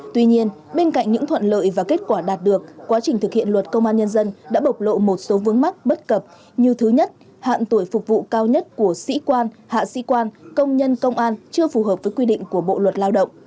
tuy nhiên bên cạnh những thuận lợi và kết quả đạt được quá trình thực hiện luật công an nhân dân đã bộc lộ một số vướng mắt bất cập như thứ nhất hạn tuổi phục vụ cao nhất của sĩ quan hạ sĩ quan công nhân công an chưa phù hợp với quy định của bộ luật lao động